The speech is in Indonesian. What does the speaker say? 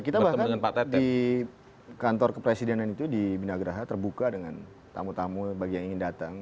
kita bahkan di kantor kepresidenan itu di binagraha terbuka dengan tamu tamu bagi yang ingin datang